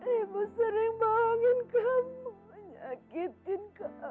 ibu sering bohongin kamu menyakitin kamu